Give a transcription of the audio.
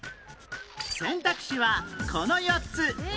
選択肢はこの４つ